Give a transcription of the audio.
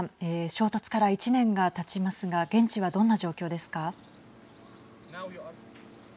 衝突から１年がたちますが現地は、どんな状況ですか。